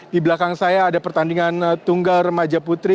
di belakang saya ada pertandingan tunggal remaja putri